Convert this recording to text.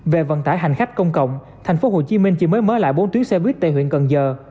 về vận tải hành khách công cộng tp hcm chỉ mới mở lại bốn tuyến xe buýt tại huyện cần giờ